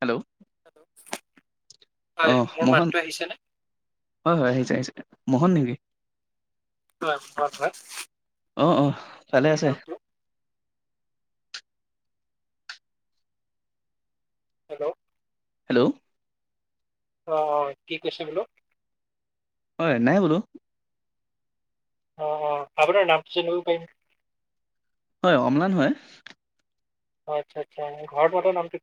Hello হয় অ মোৰ মোহন মাতটো আহিছে নে? হয় হয় আহিছে আহিছে মোহন নেংকি হয় অ অ ভালে আপাৰ আছে নামটো হেল্ল' হেল্ল' অ অ কি কৈছে বোলো হয় নাই বোলো অ অ আপোনাৰ নামটো চনিব পাৰিম হয় অমলান হয় আচ্ছা আচ্ছা ঘৰত মতৰ নামটো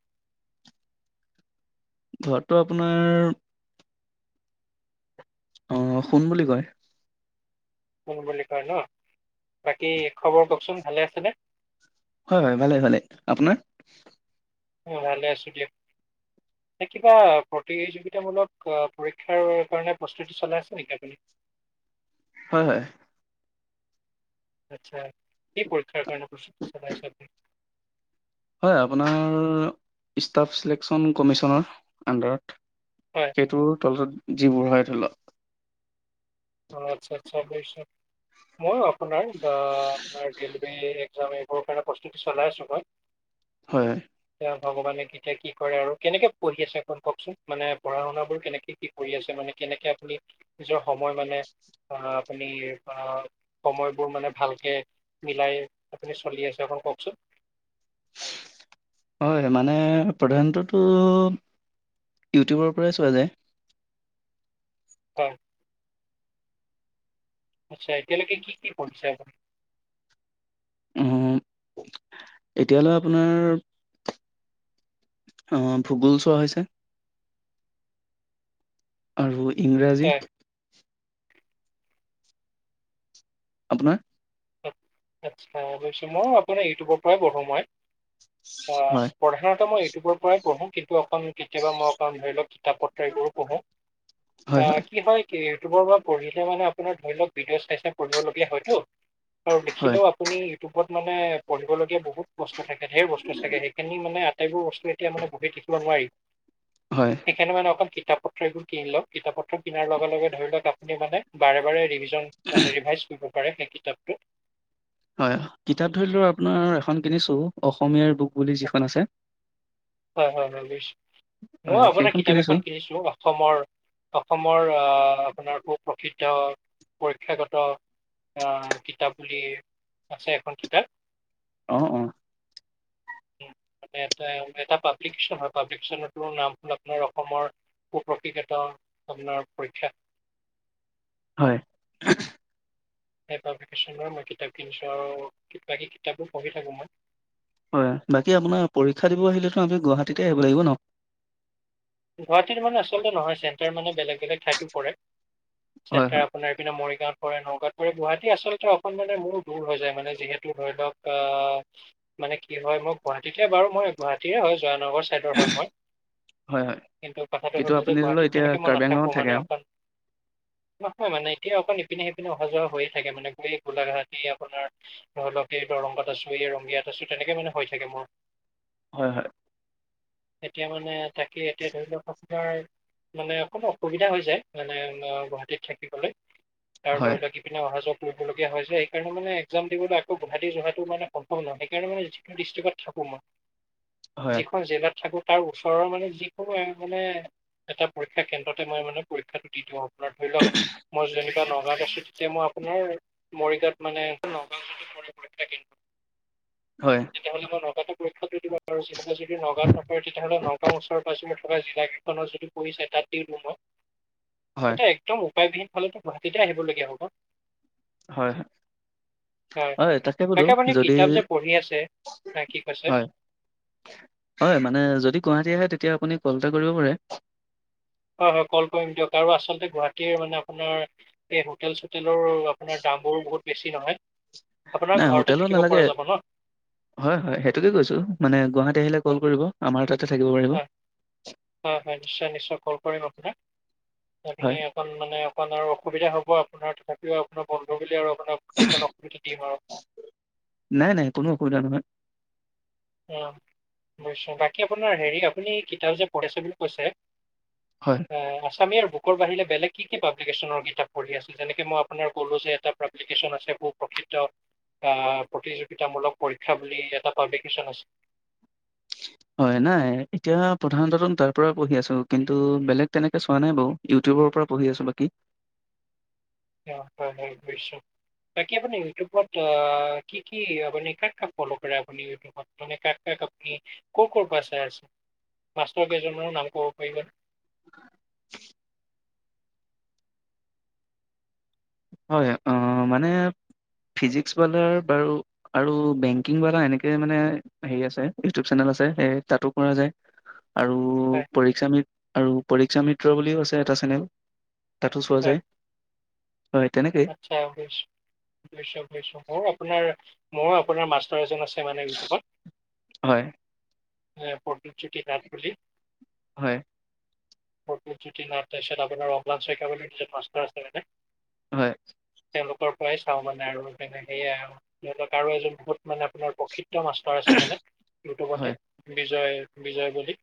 ঘৰতটো আপোনাৰ অ শুন বুলি কয় শোন বুলি কয় ন বাকী খবৰ কওকচোন ভালে আছেনে হয় হয় ভালে ভালে আপোনাৰ ভালে আছো দিয়ক কিবা প্ৰতিযোগিতামূলক পৰীক্ষাৰ কাৰণে প্ৰস্তুতি চলাই আছে নেকি আপুনি হয় হয় আচ্ছা কি পৰীক্ষাৰ কাৰণে চলাই চবনি হয় আপোনাৰ ষ্টাফ চিলেকশ্যন কমিশনৰ আণ্ডাৰত হয় সেইটোৰ তলত যি বুঢ়াই থল অ আচ্ছা আচ্ছা অশছত মই আপোনাৰ আৰ গিল্ড ম এক্সাম ম কাৰণে প্ৰস্তুতি চলাই আছো মই হয় ভগৱানে কেতিয়া কি কৰে আৰু কেনেকে পঢ়ি আছে কওকচোন মানে পঢ়া শুনা বোৰ কেনেকে কি কৰি আছে মানে কেনেকে আপুনি নিজৰ মানে আপনি সময়বোৰ মান ভালকে মিলাই আপ চল ককচোন হয় মানে প্ৰধানততো ইউটিউবৰ পৰাই চোৱা যায় হয় আচ্ছা এতিয়ালৈকে কি কি কৰিছে এব আহ এতিয়ালৈ আপোনাৰ আহ ভূগোল চোৱা হৈছে আৰু ইংৰাজী হয় আপোনাৰ আচ্ছা অৱশে মইো আপোনাৰ ইউটিউবৰ পৰাই বৰ়ো সমই অ হয় পঢ়ানটো মই এই ইউটিউবৰ পৰাই পঢ়ো কিন্তু অকণ কেতিাবা মই অকণ ধৰি লওক কিতাপ পত্ৰ এইবোৰো পঢ়ো অ কি হয় কি ইটউবৰ পৰা পঢ়িলে মানে আপোনাৰ ধৰি লওক ভিডিঅ' চাইছোই পঢ়িবলগীয়া হয়তটো হয় দেখেও আপুনি ইউটিউবত মানে পঢ়িবলগীয়া বহুত ক থাকে ধেৰ বস্তু থাকে সেইিনিানে এইবোৰ বস্তু এতিয়া মানে গোটেই সিচিব নোৱাৰি হয় সেইকাৰনে মানে অকল কে কিতাপ পত্ৰ এইবোৰ কিন লওক কিতাপ পত্ৰ কিনাৰ লগে লগে ধৰি লওক আপুনি মানে বাৰে বাৰে ৰিভি মানে ৰিভাইছ কৰিব কৰে সেই কিতাপটো হয় হয় কিতাপ ধৰি লও আপোনাৰ এখন কিনিছো অসমীয়াৰ বুক বুলি যিখন আছে হয় হয় মই বুইছো মই হয়, আপোনাৰ সেইখন কিতাপ কিনিছো। এখন কিনিছিলো অসমৰ অসমৰ আহ আপোনাৰ সু প্ৰসি তেও পৰীক্ষাগত অ কিতাপ বুলি আছে এখন কিতাপ অ অ এটা এটা পাবলিকেচন হয় পাবলিকেচনৰ নাম হ'ল আপোনাৰ অসমৰ সুপশিগত আপোনাৰ পৰীক্ষা হয় হেই পাবলিকেচনৰ মই কিতাপ কিনিছোঁ আৰু কিবাকিবি কিতাপো পঢ়ি থাকোঁ মই হয় বাকী আপোনাৰ পৰীক্ষা দিব আহিলেতো আমি গুৱাহাটীতে আহিব লাগিব ন গুৱাহাটীৰ মানে আচলতে নহয় চেণ্টাৰ মানে বেলেগ বেলেগ ঠাইতো পৰে হয়, চেণ্টাৰ হয়, আপোনাৰপিনে মৰিগাঁওত পৰে নগাঁৱত পৰে গুৱাহাটী আচলতে অকন মানে মোৰ দূৰ হৈ যায় মানে যিহেতু ধৰি লওক আহ মানে কি হয় মই গুৱাহাটীতে বাৰু মই গুৱাহাটীৰে হয় জয়ানগৰ ছাইডৰ হয় মই হয়, হয়। কিন্তু কথাটো কিন্তু হ'ল যে আপুনি ধৰি লওক গুৱাহাটীত এতিয়া তেনেকে মই কাৰ্বি আংলঙত নাথাকো থাকে মানে আৰু। অকণ নহয় মানে এতিয়া অকণ ইপিনে সিপিনে অহা যোৱা হৈয়ে থাকে মানে এই গোলাঘাট এই আপোনাৰ ধৰি লওক এই দৰংগত আছো এই ৰঙগিয়াত আছো তেনেকে মানে হৈ থাকে মোৰ হয় হয় এতিয়া মানে তাক কে এতিয়া ধৰি লওক আপোনাৰ মানে অকণ অসুবিধা হৈ যায় মানে অম গুৱাহাটীত থাকিবলৈ তাৰ হয়, ধৰি লওক ইপিনে অহা যোৱা কৰিবলগীয়া হৈছে সেইকাৰণে মানে এক্সাম দিবলৈ আকৌ গুৱাহাটি যোহাটো মানে সম্ভৱ নহয় সেইকাৰণে মানে যিটো ডিষ্ট্ৰিকত থাকোঁ মই হয়, যিখন জিলাত থাকো তাৰ ওচৰৰ মানে যিকোনো মানে এটা পৰীক্ষা কেন্দ্ৰতে মই মানে পৰীক্ষাটো দি থও ধৰি লওক মই যেনিবা নগ গাছিত তেতিয়া মই আপোনাৰ মৰিগাঁৱত মানে নগাৱত গৈ থাকিম হয়, তেতিয়াহ'লে মই নগাৱতো পৰিক্ষাটো দিব পাৰো চিমপিলিচিটি নগাঁৱত নপৰে তেতিয়াহ'লে নগাঁও ওচৰ পাাজৰে থকা জিলা কেইখনৰ যদি পৰিছে তাতে দিম ম হয়, এটা একদম ও উপায়বিহীন হলেতো গুৱাহাটীতে আহিবলগীয়া হ'ব হয় হয় হয় তাকে বোলো আপুনি যদি কিতাপ যে পঢ়ি আছে কি কৈছে হয়। হয় মানে যদি গুৱাহাটী আহে এতিয়া আপুনি কল এটা কৰিব পাৰে। হয়, হয় কল কৰিম দিয়ক আৰু আচলতে গুৱাহাটীৰ মানে আপোনাৰ এই হোটেল চোটেল আপোনাৰ নাই ঘৰতে হোটেলো থাকিব নালাগে। পৰা যাব ন হয়, হয় সেইটোকে কৈছোঁ মানে গুৱাহাটী আহিলে কল হয় কৰিব আমাৰ তাতে থাকিব পাৰিব। হয় হয়, হয় নিশ্চয়, নিশ্চয় কল কৰিম আপোনাক। হয়, [unintelligible] অকণ মানে অকণ আৰু অসুবিধা হ'ব আপোনাৰ তথাপিও আোনাৰ বন্ধ বুলি আৰু আপোনাক সেইকণ অসুবিধা দিম আৰু নাই, নাই কোনো অসুবিধা নহয়। অ বয় তাক [unintelligible] কি আপোনাৰ হেৰি, আপুনি কিতাপ যে পঢ়িছে বুলি কৈছে হয়। এ আছামীৰ বুকৰ বাহিৰে বেলেগ কি কি পাব্লিকেশ্যনৰ কিতাপ পঢ়ি আছে, যেনেকে মই আপোনাৰ ক'লো যে এটা পাব্লিকেশ্যন আছে সু প্ৰ্সিদ্ধ প্ৰতিযোগিতামূলক পৰীক্ষা বুলি এটা পাব্লিক কেশ্যন আছে। হয়। নাই এতিয়া প্ৰধানতটো তাৰ পৰা পঢ়ি আছো, কিন্তু বেলেগ তেনেকে চোৱা নাই বাৰু, ইউটিউবৰ পৰা পঢ়ি আছো বাকী। অ' হয়, হয় বুইছো, বাকী আপুনি ইউটিউবত কি কি আপুনি কাক কাক ফ'ল' কৰে আপুনি ইউটিউবত মানে কাক কাক আপুনি ক' ক' পৰা চাই আছে মাষ্টৰ কেইজন মানৰ নাম ক'ব পাৰিব? [unintelligible] হয় মানে ফিজিক্স বালা বাৰু আৰু বেংকিংবালা এনেকে মানে হেৰি আছে ইউটিউব চেনেল আছে স তাতো কৰা যায়। আৰু হয় পৰীক্ষামিট আৰু পৰীক্ষামিট মিত্ৰ বুলিও আছে এটা চেনেল। তাতো চোৱা হয় যায়। হয়, তেনেকেই। আচ্ছা, বুইছো বুইছো। মোৰ আপোনাৰ মৰো আপোনাৰ মাষ্টাৰ এজন আছে। এই মানে ইউটিউবত। হয়, প্ৰদীপজ্যোতি নাথ বুলি। হয়। প্ৰদীপজোতি নাথ, তাৰপিছত আপোনাৰ অম্লান শইকীয়া বুলি মাষ্টাৰ আছিলে যে হয়। তেওঁলোকৰ পৰাই চাওঁ মানে আৰু তেনেকেইয়ে আৰু ধৰি লক আৰু এজন মানে আপোনাৰ প্ৰসিদ্ধ মাষ্টাৰ আছে মানে ইউটিউবতে হয়, বিজয়, বিজয় বুলি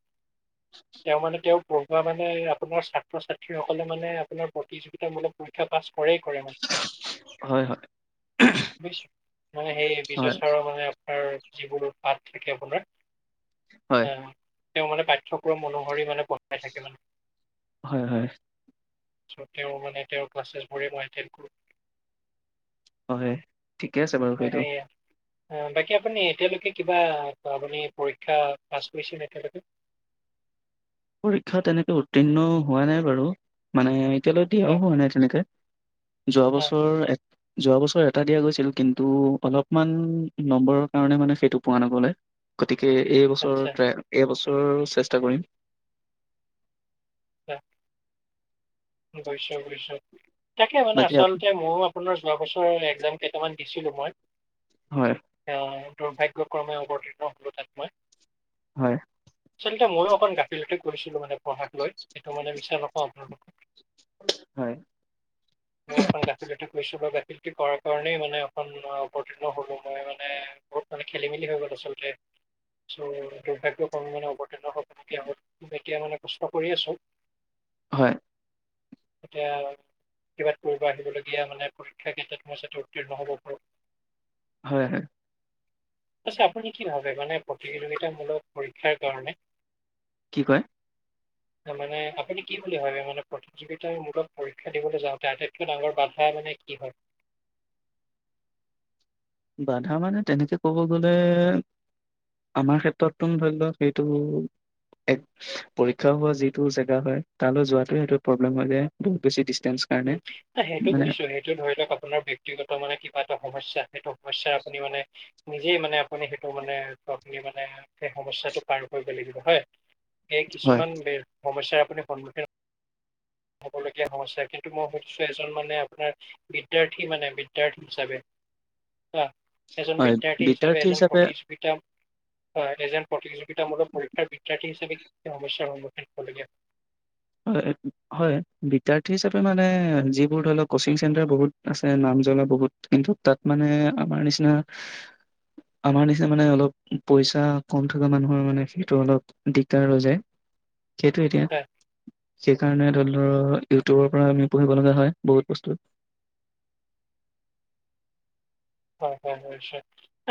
তেওঁ মানে তেওঁ পঢ়োৱা মানে আপোনাৰ ছাত্ৰ ছাত্ৰীসকলে মানে আপোনাৰ প্ৰতিযোগিতামূলক পৰীক্ষা পাছ কৰেই কৰে মানে হয়, হয়, বুজিছে? মানে সেই বিজয় হয়, চাৰৰ মানে তাৰ যিবোৰো পাত থাকে আপোনাৰ হয়। আহ তেওঁ মানে পাঠ্যয়ক্ৰম অনুসৰি মানে পঢ়াই থাকে মানে। হয় হয় ছ' তেওঁ মানে তেওঁৰ ক্লাছেছবোৰেই মই এটেণ্ড কৰোঁ হয় ঠিকে আছে বাৰু সেইটো অ বাকী আপুনি এতিয়ালৈকে কিবা আপুনি পৰীক্ষা পাছ কৰিছিলে এতিয়ালেকে পৰীক্ষা তেনেকে উত্তীৰ্ণ হোৱা নাই বাৰু মানে কলটি আহ নাইনেকে যোৱা আহ, বছৰ যোৱা বছৰ এটা দিয়া গৈছিল কিন্তু, অলপমান নম্বৰৰ কাৰণে মানে সেইটো পোৱা নগ'লে। গতিকে এই বছৰ আচ্ছা ট্ৰাই, এইবছ ত' চেষ্টা কৰিম। [unintelligible] [unintelligible] তাকে মানে বাকী আপ আচলতে মোৰ [unintelligible] যোৱা বছৰৰ এক্সম কেইটামান দিছিলোঁ মই। হয়, হয়, দুৰ্ভাগ্যয় ক্ৰমে অৱতীৰ্ণ হ'লো তাত মই। হয়, আচলতে মইয়ো অকণ গাফিলতি কৰিছিলোঁ মানে পঢ়াক লৈ সেইটো মানে মিছা নকওঁ আপোনাক। হয়, মই অকন গাফিলতি কৰিছোঁ বাবে [unintelligible] পাৰাৰ কাৰণে মানে এখন মই অৱতীৰ্ণ হ'লোঁ মই মানে বহুত মানে খেলি মেলি হৈ গ'ল আচলতে, চ' দুৰ্ভাগ্যক্ৰমী মানে অৱতীৰ্ণ হ'ব লগীয়া হ'ল, এতিয়া মানে কষ্ট কৰি আছোঁ। হয়, এতিয়া, কিবা কৰিব আহিবলগীয়া মানে পৰীক্ষা ক্ষেত্ৰত মই যাতে উত্তীৰ্ণ হ'ব পাৰোঁ। হয়, হয়, পিছে আপুনি কি ভাবে মানে প্ৰতিযোগিতামূলক পৰীক্ষাৰ কাৰণে কি কয়? তাৰ মানে আপুনি কি বুলি ভাবে মানে? প্ৰতিযোগিতামূলক পৰীক্ষা দিবলৈ যাওঁতে আটাইতকৈ ডাঙৰ বাধা মানে কি হয় বাধা মানে তেনেকে ক'ব গলে আমাৰ ক্ষেত্ৰততো ধৰি লওক সেইটো এক পৰীক্ষা হোৱা যিটো জেগা হয় তালৈ যোৱাটো সেইটো প্ৰব্লেম হৈ যায় বহুত বেছি ডিচটেন্স কাৰণে উম সেইটো মানে বুজিছো সেইটো ধৰি লওক আপোনাৰ ব্যক্তিগত মানে কিবা এটা সমস্যা সেইটো সমস্যা আপুনি মানে নিজেই মানে আপুনি সেইটো মানে [inaudible] সেই সমস্যাটো পাৰ কৰিব লাগিব। হয়। সেই হয়, কিছুমান বে সমস্যাৰ আপুনি সন্মুখীন হ'বলগীয়া সমস্যা খিন মই সুধিছোঁ এজন মানে আপোনাৰ বিদ্যাৰ্থীৰ মানে বিদ্যয়াৰ্থী হিচাপে অ। এজন বিদ্যাৰ্থী হিচাপে এজন প্ৰতিযোগিতা এজন প্ৰতিযোগিতামূলক পৰীক্ষাৰ বিদ্যাৰ্থী হিচাপে কি কি সমস্যাৰ সন্মুখীন হ'বলগে হয় হয় বিদ্্যাৰ্থী হিচাপে মানে যিবোৰ ধৰি লওক কচিং চেণ্টাৰ বহুত আছে নাম জ্বলা বহুত কিন্তু তাত মানে আমাৰ নিচিনা আমাৰ নিচিনা মানে অলপ পইচা কম থকা মানুহৰ মানে সেইটো অলপ দিগদাৰ হৈ যায় কেইটো এতিয়া হয়? সেইকাৰণে ধৰি লও ইউটিউবৰ পৰা আমি পঢ়িব লগা হয় বহুত বস্তু হয় হয় হয়য়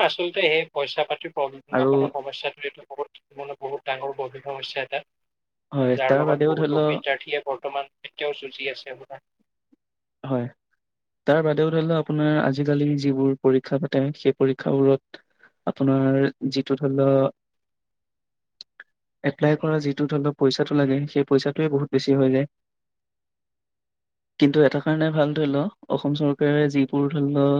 আচলতেেই পইচাতি্ম আৰু আপোনাৰ সমস্াটো এইটো মানত বহুত ডাঙৰ অভিভৱ হৈছে এটা হয় যাৰ তাৰ লগত বাদেও ধৰি বহুতো লও বিদ্যাৰ্থীয়ে বৰ্তমান কিয়ৰ চূচী আছে বা হয় তাৰ বাদেও ধৰি লও আপোনাৰ আজিকালি যিবোৰ পৰীক্ষা পাতে সেই পৰীক্ষাবোৰত আপোনাৰ যিটো ধৰি লও এপ্লাই কৰা যিটো ধৰি লও পইচাটো লাগে সেই পইচটোোৱে বহুত বেছি হৈ যায় কিন্তু এটা কাৰণে ভাল ধৰি লও অসম চৰকাৰে যিবোৰ ধৰি লও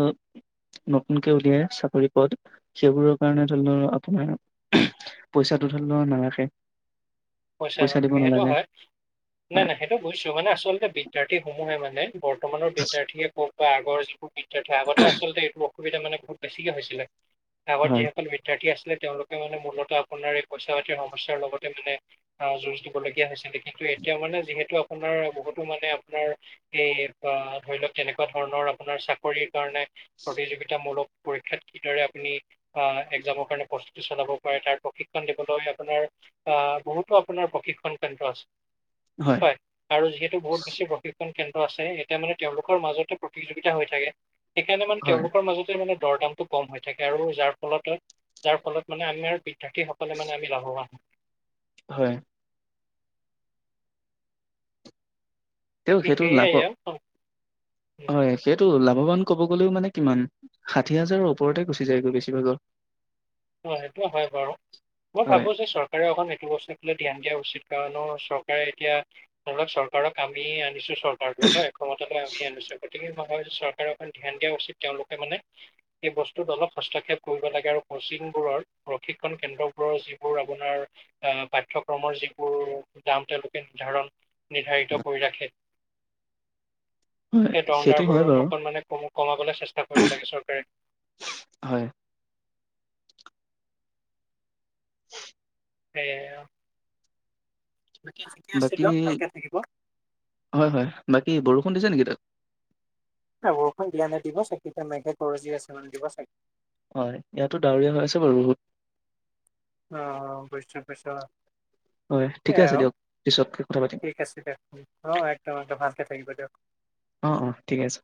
নতুনকে উলিয়াই চাকৰি পথ সেইবোৰৰ কাৰণে ধৰি লও আপোনাৰ পইচাটো ধৰি লও নাৰাখে হৈছে নে পইচা দিব সেইটো নালাগে হয় নাই হয় নাই সেইটো বুজছো মানে আচলতে বিদ্যাৰ্থী সমূহে মানে বৰ বৰ্তমানৰ বিদ্যাৰ্থীয়ে কওক বা আগৰ যিবোৰ বিদ্যাৰ্থী আগতে আচলতে এইটো সুবিধাানে বহু বেছিকৈছিলে এব যিসকল বিদ্্যাৰ্থি আলে তেওঁলোকে মানে মূলতঃ আপোনাৰ এই পইচা পাতিৰ সমস্যাৰ লগতে মানে আহ যুঁজ দিবলগীয়া হৈছিলে কিন্তু এতিয়া মানে যিহেতু আপোনাৰ বহুতো মানে আপোনাৰ এই আহ ধৰি লওক তেনেকুৱা ধৰণৰ আপোনাৰ চাকৰিৰ কাৰণে প্ৰতিযোগিতামূলক পৰীক্ষাত কিদৰে আপুনি আহ একজামৰ কাৰণে প্ৰস্তুতি চলাব পাৰে তাৰ প্ৰশিক্ষণ দিবলৈ আপোনাৰ আহ বহুতো আপোনাৰ প্ৰশিক্ষণ কেন্দ্ৰ আছে হয় আৰু যিহেতু বহুত বেছি প্ৰশিক্ষণ কেন্দ্ৰ আছে এতিয়া মানে তেওঁলোকৰ মাজতে প্ৰতিযোগিতা হৈ থাকে সেইকাৰণে মানে হয় তেওঁলোকৰ মাজতে মানে দৰ দামটো কম হৈ থাকে আৰু যাৰ ফলত যাৰ ফলত মানে আমি আৰু থাকিসকলে মানে আমিাভৱ আহ হয় তেওঁ বাকী সেইটো লাভ সেয়াই আৰু অ উম, হয় সেইটো লাভ ভগৱান ক'ব গ'লেও মানে কিমান ষাঠি হাজৰ ওপৰতে গুচি যায়গৈ বেছিভাগৰ অ সেইটোে হয় বাৰু মই হয় ভাবো যে চৰকাৰে অকণ এইটো বস্তু লে ধ্যান দিয়া উচিত- কাৰণো চৰকাৰে এতিয়া ধৰক চৰকাৰক আমি আনিছো। চৰকাৰ হয় ক্ষমতা আমি আনিছো গতিকে - চৰকাৰে অক ধ্যান দিয়া উচিত তেওঁলোকে মানে সেই বস্তুত অলপ হস্তক্ষেপ কৰিব লাগে আৰু কচিং- বোৰৰ প্ৰশিক্ষণ কেন্দ্ৰবোৰৰ যিবোৰ আপোনাৰ আহ পাঠয়ক্ৰমৰ যিবোৰ দাম তেওঁলোকে নিৰ্ধাৰণ- নিৰ্ধাৰিত কৰি ৰাখে। হয় সেই দৰকাৰ সেইটো হয় বোৰ বাৰু অকণমানে কম কমাবলৈ চেষ্টা কৰিব লাগে চৰকাৰে। হয় সেয়ে আৰু। বাকী, ভালকে থাকিব হয় হয় বাকী বৰষুণ দিছে নেকি তাত? বৰষুণ দিয়া নে দিব চাগে এতিয়া মেঘে গৰজি আছে মানে দিব চাগে। হয় ইয়াতো ডাৱৰীয়া হৈ আছে বাৰু বহুত। অ বুইছো বুইছোঁ অ হয় [unintelligible] এ ঠিকে আছে অ দিয়ক পিছতকে কথা পাতিম ঠিক আছে দিয়ক অ একদম একদম ভালকে থাকিব দিয়ক। অ অ ঠিকে আছে।